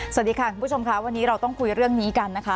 สวัสดีค่ะคุณผู้ชมค่ะวันนี้เราต้องคุยเรื่องนี้กันนะคะ